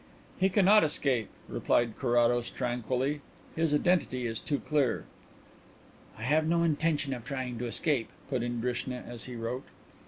"He cannot escape," replied Carrados tranquilly. "His identity is too clear." "I have no intention of trying to escape," put in Drishna, as he wrote.